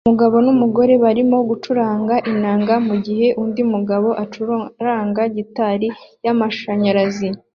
Umugabo numugore barimo gucuranga inanga mugihe undi mugabo acuranga gitari yamashanyarazi